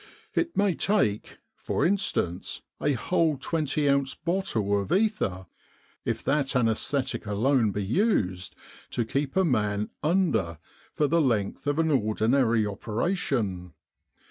It may take, for instance, a whole twenty ounce bottle of ether if that anaesthetic alone be used to keep a man 1 under ' for the length of an ordinary operation.